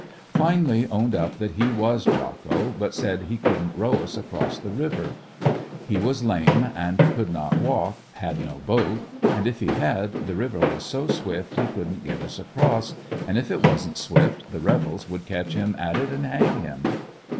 Finally owned up that he was Jocko, but said he couldn't row us across the river. He was lame and could not walk, had no boat, and if he had the river was so swift he couldn't get us across, and if it wasn't swift, the rebels would catch him at it and hang him.